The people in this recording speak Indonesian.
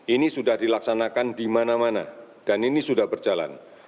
ini sudah dilaksanakan di mana mana dan ini sudah berjalan